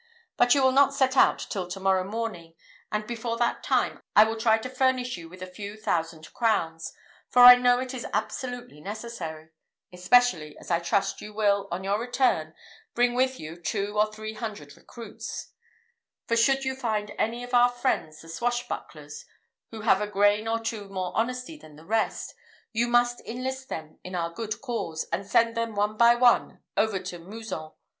But you will not set out till to morrow morning; and before that time, I will try to furnish you with a few thousand crowns, for I know it is absolutely necessary; especially as I trust you will, on your return, bring with you two or three hundred recruits; for should you find any of our friends the swash bucklers, who have a grain or two more honesty than the rest, you must enlist them in our good cause, and send them one by one over to Mouzon.